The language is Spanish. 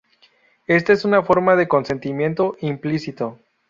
Esta es una forma de consentimiento implícito.